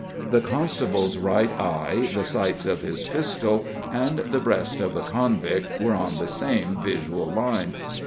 The constable's right eye, the sights of his pistol and the breast of the convict were on the same visual line.